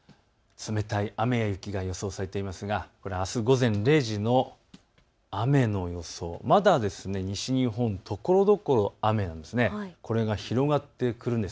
冷たい雨や雪が予想されていますがこれはあす午前０時の雨の予想、まだ西日本、ところどころ雨なんです。